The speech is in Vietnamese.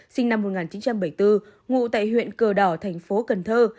sinh năm một nghìn chín trăm bảy mươi bốn ngụ tại huyện cờ đỏ thành phố cần thơ